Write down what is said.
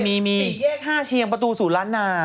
สี่แยกห้าเชียงประตูสู่ร้านหน้า